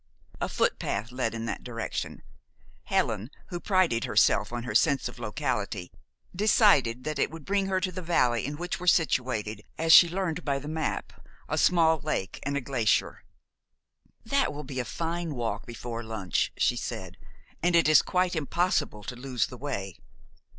A footpath led in that direction. Helen, who prided herself on her sense of locality, decided that it would bring her to the valley in which were situated, as she learned by the map, a small lake and a glacier. "That will be a fine walk before lunch," she said, "and it is quite impossible to lose the way."